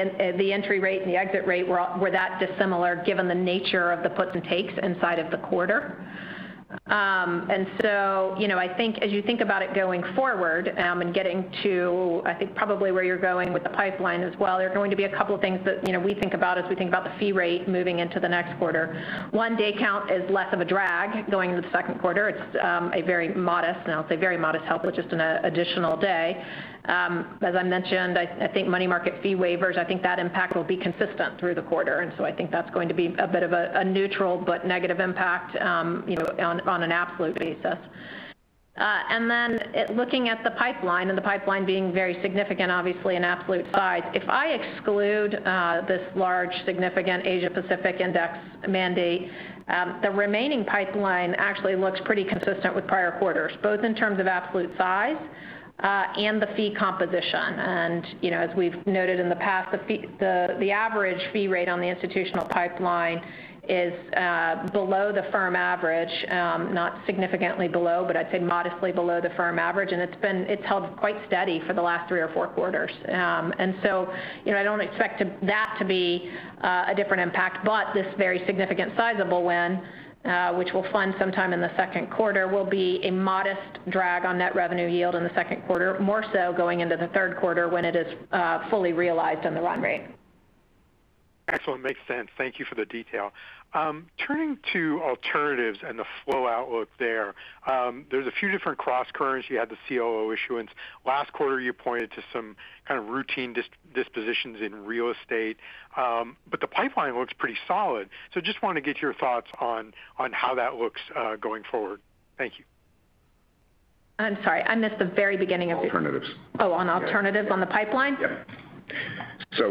entry rate and the exit rate were that dissimilar given the nature of the puts and takes inside of the quarter. As you think about it going forward and getting to, I think, probably where you're going with the pipeline as well, there are going to be a couple things that we think about as we think about the fee rate moving into the next quarter. One, day count is less of a drag going into the Q2. It's a very modest help with just an additional day. As I mentioned, I think money market fee waivers, I think that impact will be consistent through the quarter. I think that's going to be a bit of a neutral but negative impact on an absolute basis. Looking at the pipeline, and the pipeline being very significant, obviously in absolute size. If I exclude this large significant Asia Pacific index mandate, the remaining pipeline actually looks pretty consistent with prior quarters, both in terms of absolute size and the fee composition. As we've noted in the past, the average fee rate on the institutional pipeline is below the firm average, not significantly below, but I'd say modestly below the firm average. It's held quite steady for the last three or four quarters. I don't expect that to be a different impact, but this very significant sizable win which we'll fund sometime in the Q2 will be a modest drag on net revenue yield in the Q2, more so going into the Q3 when it is fully realized in the run rate. Excellent. Makes sense. Thank you for the detail. Turning to alternatives and the flow outlook there's a few different cross currents. You had the CLO issuance. Last quarter, you pointed to some kind of routine dispositions in real estate. The pipeline looks pretty solid. Just want to get your thoughts on how that looks going forward. Thank you. I'm sorry, I missed the very beginning. Alternatives. Oh, on alternatives on the pipeline? Yeah.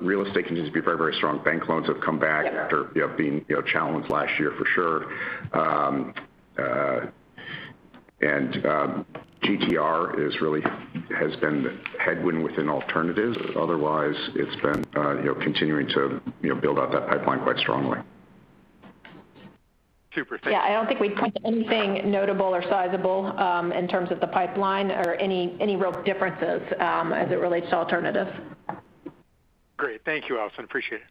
Real estate continues to be very strong. Bank loans have come back after being challenged last year for sure. GTR really has been the headwind within alternatives. Otherwise, it's been continuing to build out that pipeline quite strongly. Super. Thank you. Yeah, I don't think we'd point to anything notable or sizable in terms of the pipeline or any real differences as it relates to alternatives. Great. Thank you, Allison. Appreciate it.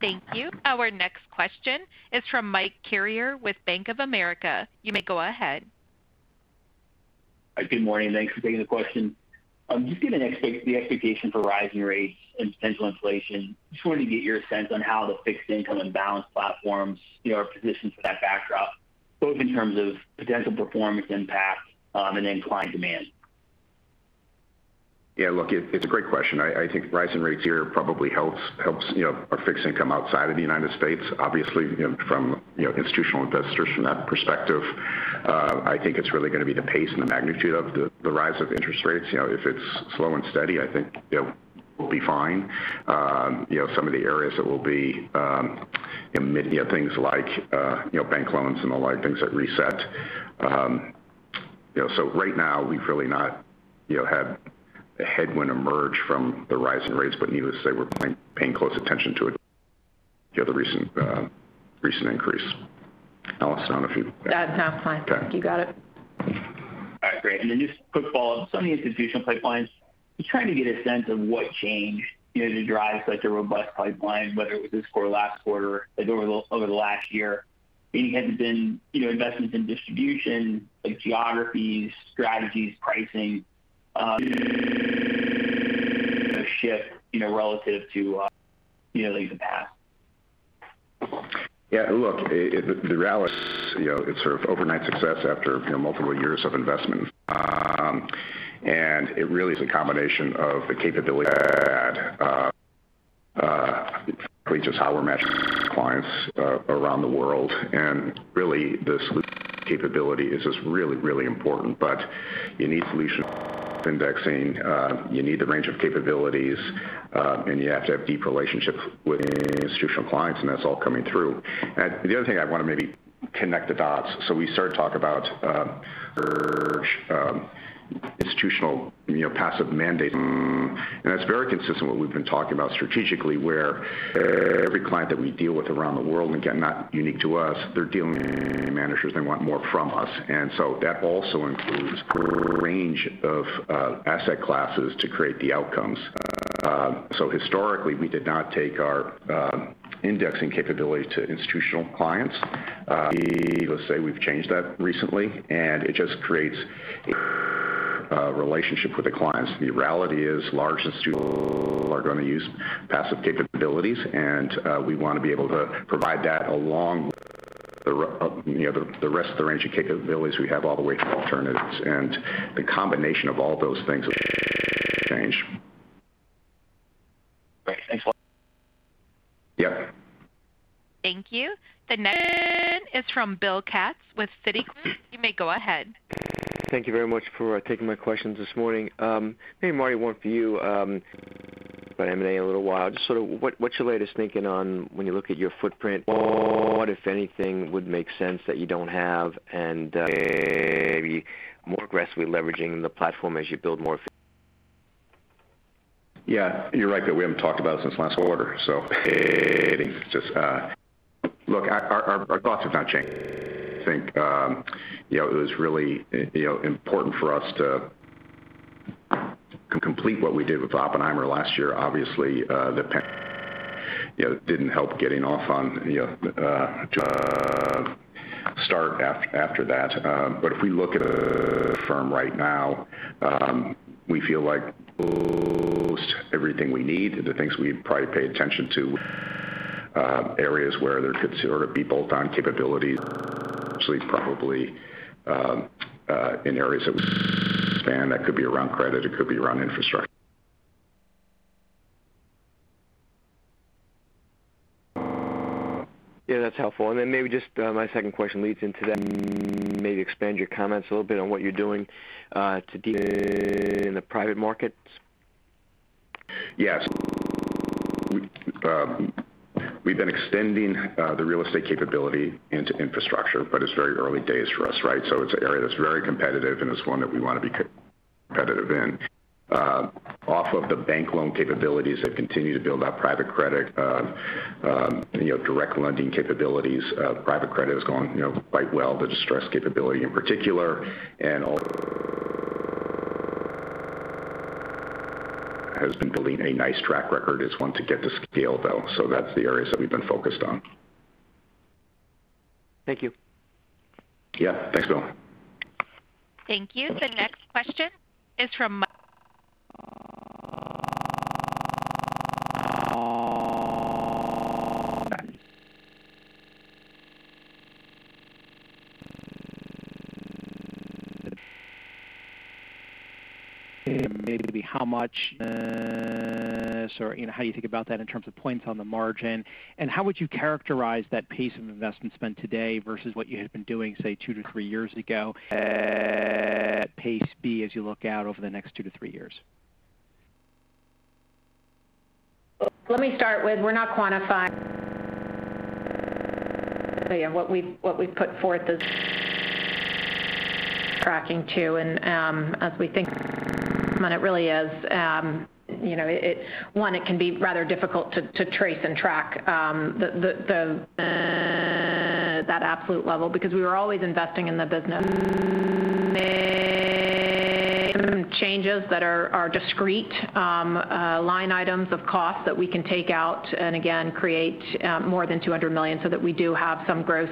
Thank you. Our next question is from Mike Carrier with Bank of America. You may go ahead. Good morning. Thanks for taking the question. Just given the expectation for rising rates and potential inflation, just wanted to get your sense on how the fixed income and balance platforms are positioned for that backdrop, both in terms of potential performance impact and then client demand. Yeah, look, it's a great question. I think rising rates here probably helps our fixed income outside of the United States, obviously from institutional investors from that perspective. I think it's really going to be the pace and the magnitude of the rise of interest rates. If it's slow and steady, I think we'll be fine. Some of the areas that will be things like bank loans and the like, things that reset. Right now we've really not had a headwind emerge from the rising rates, but needless to say, we're paying close attention to the recent increase. Allison, I don't know if you- No, I'm fine. Okay. You got it. All right, great. Just quick follow-up. Some of the institutional pipelines, just trying to get a sense of what changed to drive such a robust pipeline, whether it was this quarter, last quarter, over the last year. Meaning has it been investments in distribution, like geographies, strategies, pricing shift relative to the past? Yeah, look, the reality is it's sort of overnight success after multiple years of investment. It really is a combination of the capability that just how we're matching clients around the world, and really the solution capability is just really important. You need solution indexing, you need the range of capabilities, and you have to have deep relationships with institutional clients, and that's all coming through. The other thing I'd want to maybe connect the dots, so we started talking about our institutional passive mandate, and that's very consistent what we've been talking about strategically where every client that we deal with around the world, and again, not unique to us, they're dealing with managers, they want more from us. That also includes range of asset classes to create the outcomes. Historically we did not take our indexing capability to institutional clients. Let's say we've changed that recently, and our relationship with the clients. The reality is large institutions are going to use passive capabilities, and we want to be able to provide that along with the rest of the range of capabilities we have all the way to alternatives. The combination of all those things will change. Great. Thanks a lot. Yeah. Thank you. The next is from Bill Katz with Citigroup. You may go ahead. Thank you very much for taking my questions this morning. Maybe, Marty, one for you about M&A a little while. Just sort of what's your latest thinking on when you look at your footprint, what, if anything, would make sense that you don't have and maybe more aggressively leveraging the platform as you build more. Yeah, you're right that we haven't talked about it since last quarter. I think it's just Look, our thoughts have not changed. I think, it was really important for us to complete what we did with OppenheimerFunds last year. Obviously, the pandemic didn't help getting off to a start after that. If we look at the firm right now, we feel like we host everything we need. The things we probably pay attention to, areas where there could sort of be bolt-on capabilities are actually probably in areas that we can expand. That could be around credit, it could be around infrastructure. Yeah, that's helpful. Maybe just my second question leads into that. Maybe expand your comments a little bit on what you're doing to deepen the private markets. Yes. We've been extending the real estate capability into infrastructure. It's very early days for us, right? It's an area that's very competitive, and it's one that we want to be competitive in. Off of the bank loan capabilities have continued to build out private credit, direct lending capabilities. Private credit has gone quite well. The distressed capability in particular, and also has been building a nice track record. It's one to get to scale, though. That's the areas that we've been focused on. Thank you. Yeah. Thanks, Bill. Thank you. The next question is from. Maybe how much, or how you think about that in terms of points on the margin, and how would you characterize that pace of investment spend today versus what you had been doing, say, 2-3 years ago? Should that pace be as you look out over the next 2-3 years? Let me start with, we're not quantifying. What we've put forth is tracking too, as we think, it really is. One, it can be rather difficult to trace and track that absolute level, because we were always investing in the business. Changes that are discrete line items of cost that we can take out and again, create more than $200 million so that we do have some gross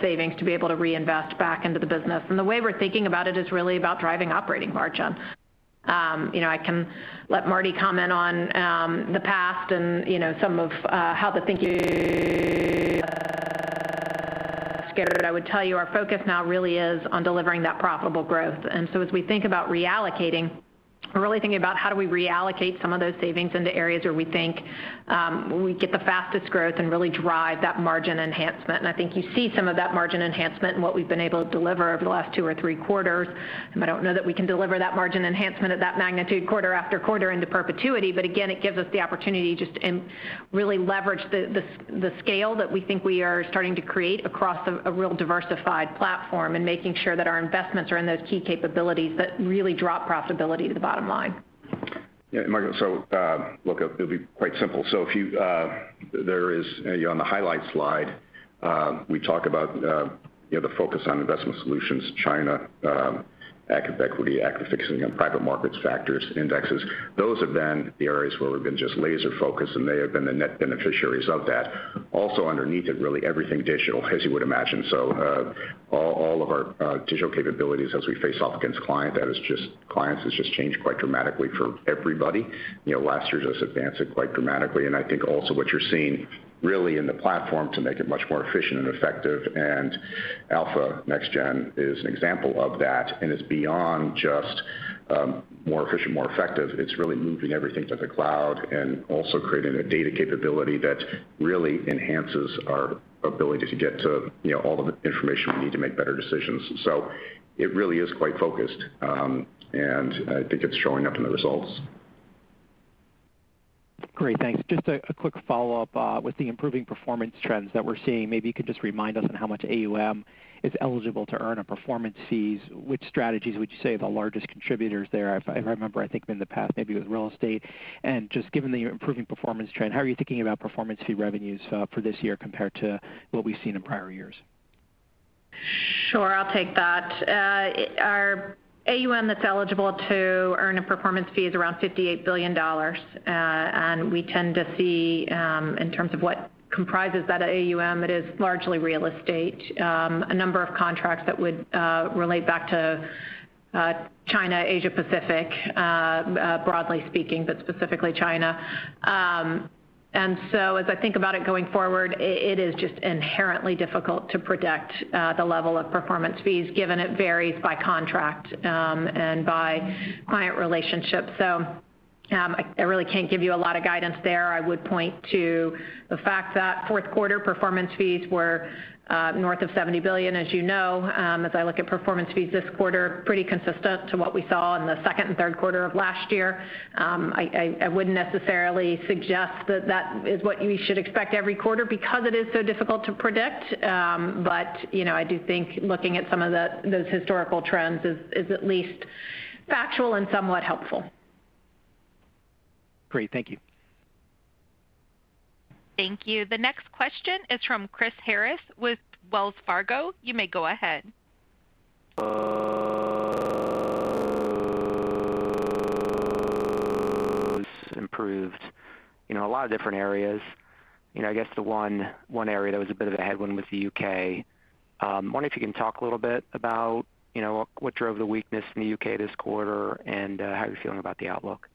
savings to be able to reinvest back into the business. The way we're thinking about it is really about driving operating margin. I can let Marty comment on the past and some of how the thinking I would tell you our focus now really is on delivering that profitable growth. As we think about reallocating, we're really thinking about how do we reallocate some of those savings into areas where we think we get the fastest growth and really drive that margin enhancement. I think you see some of that margin enhancement in what we've been able to deliver over the last two or three quarters. I don't know that we can deliver that margin enhancement at that magnitude quarter after quarter into perpetuity, again, it gives us the opportunity and really leverage the scale that we think we are starting to create across a real diversified platform and making sure that our investments are in those key capabilities that really drop profitability to the bottom line. Yeah. Margaret, look, it'll be quite simple. On the highlight slide, we talk about the focus on investment solutions, China, active equity, active fixed income on private markets, factors, indexes. Those have been the areas where we've been just laser focused, they have been the net beneficiaries of that. Also underneath it, really everything digital, as you would imagine. All of our digital capabilities as we face off against clients has just changed quite dramatically for everybody. Last year saw us advance it quite dramatically, I think also what you're seeing really in the platform to make it much more efficient and effective, Alpha Next Gen is an example of that, it's beyond just more efficient, more effective. It's really moving everything to the cloud and also creating a data capability that really enhances our ability to get to all the information we need to make better decisions. It really is quite focused, and I think it's showing up in the results. Great. Thanks. Just a quick follow-up. With the improving performance trends that we're seeing, maybe you could just remind us on how much AUM is eligible to earn on performance fees? Which strategies would you say are the largest contributors there? If I remember, I think in the past, maybe it was real estate. Just given the improving performance trend, how are you thinking about performance fee revenues for this year compared to what we've seen in prior years? Sure. I'll take that. Our AUM that's eligible to earn a performance fee is around $58 billion. We tend to see, in terms of what comprises that AUM, it is largely real estate. A number of contracts that would relate back to China, Asia Pacific, broadly speaking, but specifically China. As I think about it going forward, it is just inherently difficult to predict the level of performance fees, given it varies by contract and by client relationship. I really can't give you a lot of guidance there. I would point to the fact that Q4 performance fees were north of $70 billion. As you know, as I look at performance fees this quarter, pretty consistent to what we saw in the second and Q3 of last year. I wouldn't necessarily suggest that is what you should expect every quarter because it is so difficult to predict. I do think looking at some of those historical trends is at least factual and somewhat helpful. Great. Thank you. Thank you. The next question is from Chris Harris with Wells Fargo. You may go ahead. Improved a lot of different areas. I guess the one area that was a bit of a headwind was the U.K. Wondering if you can talk a little bit about what drove the weakness in the U.K. this quarter and how you're feeling about the outlook?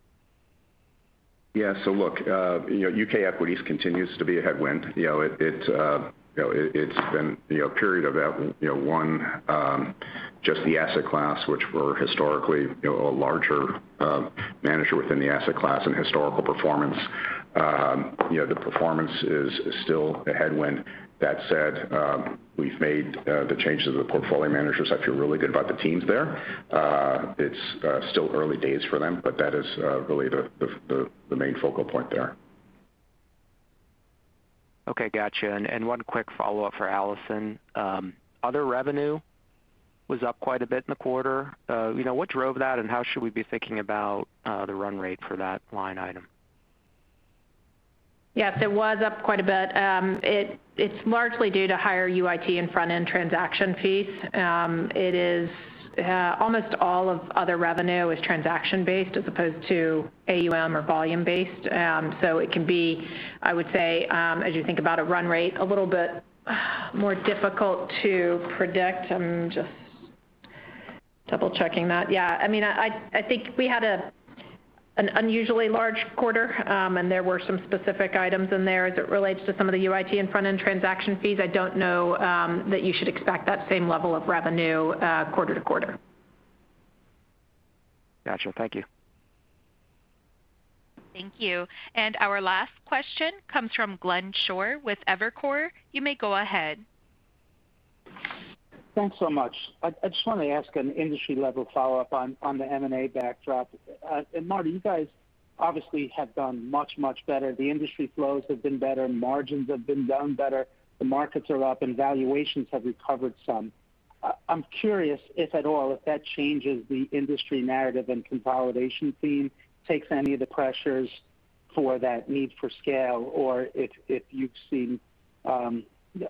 Yeah. Look, U.K. equities continues to be a headwind. It's been just the asset class, which we're historically a larger manager within the asset class and historical performance. The performance is still a headwind. That said, we've made the changes of the portfolio managers. I feel really good about the teams there. It's still early days for them, but that is really the main focal point there. Okay, got you. One quick follow-up for Allison. Other revenue was up quite a bit in the quarter. What drove that, and how should we be thinking about the run rate for that line item? Yes, it was up quite a bit. It's largely due to higher UIT an front-end transaction fees. Almost all of other revenue is transaction-based as opposed to AUM or volume-based. It can be, I would say, as you think about a run rate, a little bit more difficult to predict. I'm just double-checking that. Yeah, I think we had an unusually large quarter, and there were some specific items in there as it relates to some of the UIT and front-end transaction fees. I don't know that you should expect that same level of revenue quarter to quarter. Got you. Thank you. Thank you. Our last question comes from Glenn Schorr with Evercore. You may go ahead. Thanks so much. I just want to ask an industry-level follow-up on the M&A backdrop. Marty, you guys obviously have done much, much better. The industry flows have been better. Margins have been done better. The markets are up, and valuations have recovered some. I'm curious if at all, if that changes the industry narrative and consolidation theme takes any of the pressures for that need for scale, or if you've seen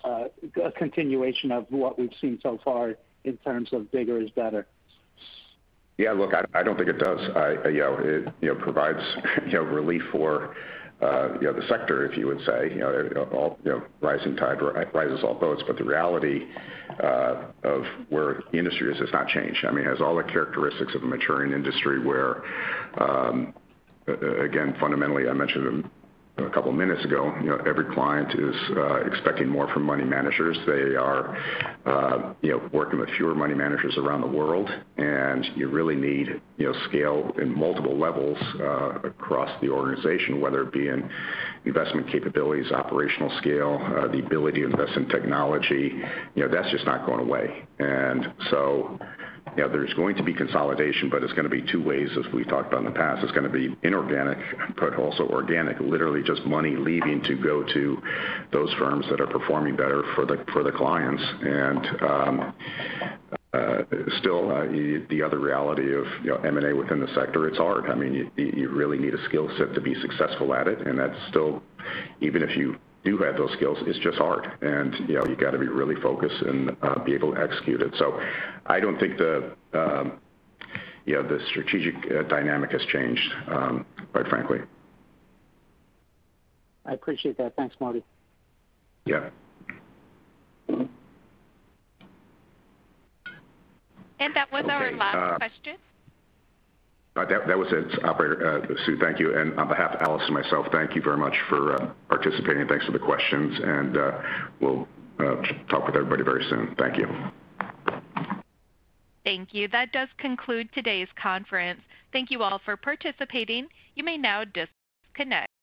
a continuation of what we've seen so far in terms of bigger is better? Yeah, look, I don't think it does. It provides relief for the sector, if you would say. Rising tide rises all boats, the reality of where the industry is has not changed. It has all the characteristics of a maturing industry where, again, fundamentally, I mentioned a couple of minutes ago, every client is expecting more from money managers. They are working with fewer money managers around the world, you really need scale in multiple levels across the organization, whether it be in investment capabilities, operational scale, the ability to invest in technology. That's just not going away. There's going to be consolidation, it's going to be two ways, as we've talked about in the past. It's going to be inorganic also organic, literally just money leaving to go to those firms that are performing better for the clients. Still, the other reality of M&A within the sector, it's hard. You really need a skill set to be successful at it. That's still, even if you do have those skills, it's just hard. You got to be really focused and be able to execute it. I don't think the strategic dynamic has changed, quite frankly. I appreciate that. Thanks, Marty. Yeah. That was our last question. That was it, Operator Sue, thank you. On behalf of Allison and myself, thank you very much for participating. Thanks for the questions. We'll talk with everybody very soon. Thank you. Thank you. That does conclude today's conference. Thank you all for participating. You may now disconnect.